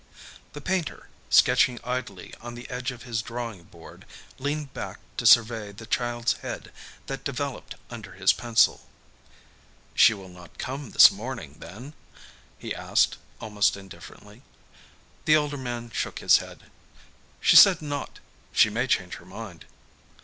The painter, sketching idly on the edge of his drawing board, leaned back to survey the child's head that developed under his pencil. "She will not come this morning, then?" he asked almost indifferently. The older man shook his head. "She said not. She may change her mind."